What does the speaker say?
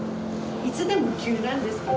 いつでも急なんですけど。